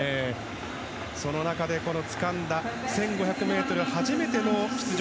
その中でつかんだ１５００ｍ初めての出場。